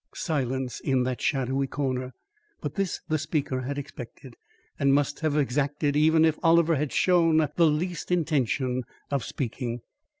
Silence in that shadowy corner! But this the speaker had expected, and must have exacted even if Oliver had shown the least intention of speaking.